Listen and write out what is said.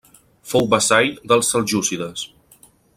Fou vassall dels seljúcides.